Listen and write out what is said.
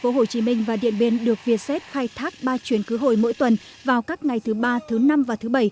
đường bay tp hcm và điện biên được vietjet khai thác ba chuyến cứ hồi mỗi tuần vào các ngày thứ ba thứ năm và thứ bảy